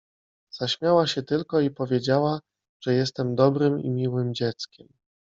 — Zaśmiała się tylko i powiedziała, że jestem dobrym i miłym dzieckiem.